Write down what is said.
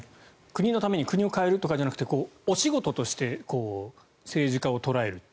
国のために国を変えるとかじゃなくてお仕事として政治家を捉える。